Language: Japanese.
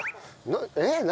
えっ何？